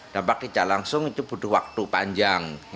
dampak tidak langsung itu butuh waktu panjang